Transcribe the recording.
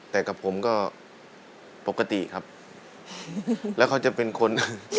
แต่กับผมก็ปกติครับแล้วเขาจะเป็นคน